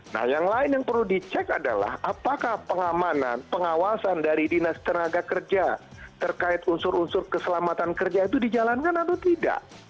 nah yang lain yang perlu dicek adalah apakah pengamanan pengawasan dari dinas tenaga kerja terkait unsur unsur keselamatan kerja itu dijalankan atau tidak